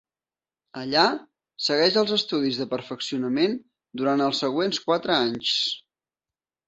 Allà segueix els estudis de perfeccionament durant els següents quatre anys.